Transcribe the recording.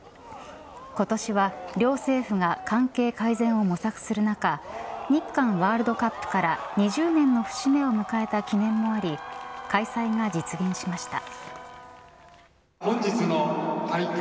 今年は両政府が関係改善を模索する中日韓ワールドカップから２０年の節目を迎えた記念もあり開催が実現しました。